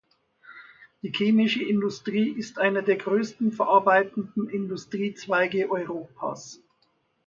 Die chemische Industrie ist einer der größten verarbeitenden Industriezweige Europas.